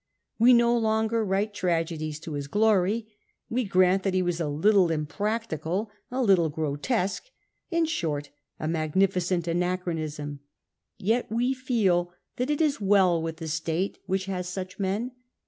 We no longer write tragedies to his glory ; we grant that he was a little impracticable, a little grotesque — ^in short, a magnificent anachronism. Yet we feel that it is well with the state which has such men.